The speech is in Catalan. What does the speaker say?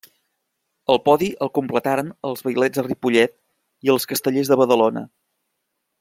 El podi el completaren els Vailets de Ripollet i els Castellers de Badalona.